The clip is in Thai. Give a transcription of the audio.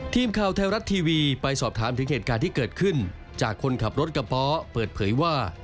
ทีมข่าวไทยรัฐทีวีไปสอบถามถึงเหตุการณ์ที่เกิดขึ้นจากคนขับรถกระเพาะเปิดเผยว่า